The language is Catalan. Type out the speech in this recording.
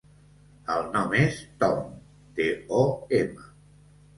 El nom és Tom: te, o, ema.